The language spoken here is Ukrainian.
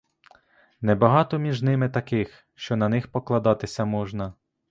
Не багато між ними таких, що на них покладатися можна.